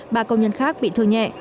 ba công nhân khác bị thương nhẹ